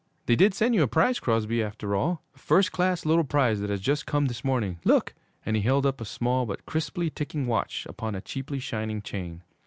'They did send you a prize, Crosby, after all! A first class little prize that has just come this morning! Look!' And he held up a small but crisply ticking watch upon a cheaply shining chain.